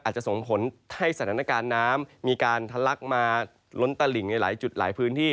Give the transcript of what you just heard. ส่งผลให้สถานการณ์น้ำมีการทะลักมาล้นตลิ่งในหลายจุดหลายพื้นที่